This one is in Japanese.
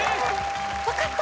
分かった。